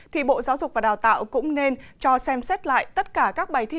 thì bộ giáo dục và đào tạo cũng nên cho xem xét lại tất cả các bài thi